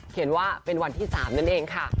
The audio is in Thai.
ว่าเป็นวันที่๓นั่นเองค่ะ